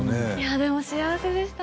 でも幸せでした。